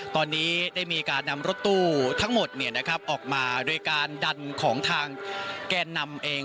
ตอนนี้ได้มีการนำรถตู้ทั้งหมดเนี่ยนะครับออกมาด้วยการดันของทางแก้นนำเอง